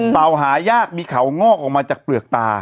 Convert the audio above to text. เต่าหายากมีเขางอกออกมาจากเปลือกตา